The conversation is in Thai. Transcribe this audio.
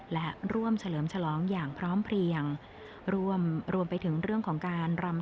และร่วมเฉลิมฉลองอย่างพร้อมเพลียงร่วมรวมไปถึงเรื่องของการรำ